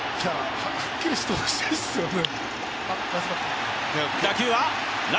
はっきりしてほしいですよね。